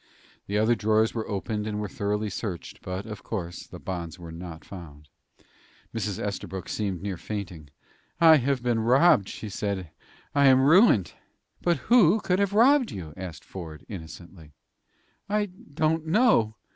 The other drawers were opened and were thoroughly searched, but, of course, the bonds were not found. Mrs. Estabrook seemed near fainting. "I have been robbed," she said. "I am ruined." "But who could have robbed you?" asked Ford, innocently. "I don't know.